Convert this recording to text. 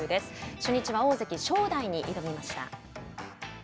初日は大関・正代に挑みました。